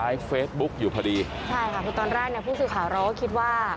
เฟซบุ๊กอยู่พอดีใช่ค่ะคือตอนแรกเนี่ยผู้สื่อข่าวเราก็คิดว่า